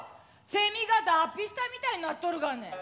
セミが脱皮したみたいになっとるがね！